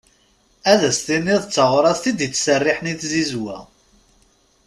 Ad as-tiniḍ d taɣrast i d-itt-serriḥen i tzizwa.